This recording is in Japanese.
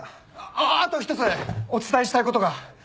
あっあと１つお伝えしたいことが。